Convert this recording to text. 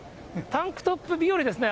タンクトップ日和ですね。